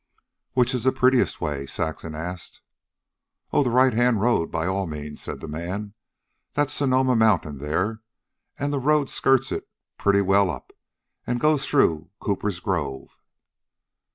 "Which is the prettiest way?" Saxon asked. "Oh, the right hand road, by all means," said the man. "That's Sonoma Mountain there, and the road skirts it pretty well up, and goes through Cooper's Grove."